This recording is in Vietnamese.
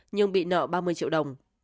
nhưng bị nợ ba mươi triệu đồng